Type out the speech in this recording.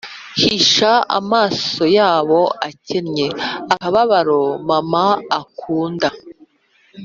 hisha amaso yabo akennye akababaro mama akunda.